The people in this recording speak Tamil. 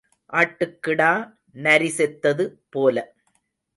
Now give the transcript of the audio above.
ஆட்டுக்கிடா, நரி செத்தது போல.